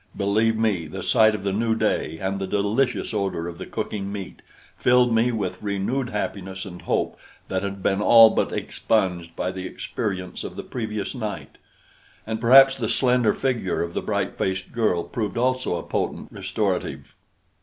Believe me, the sight of the new day and the delicious odor of the cooking meat filled me with renewed happiness and hope that had been all but expunged by the experience of the previous night; and perhaps the slender figure of the bright faced girl proved also a potent restorative.